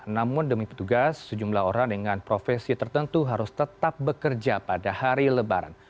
namun demi petugas sejumlah orang dengan profesi tertentu harus tetap bekerja pada hari lebaran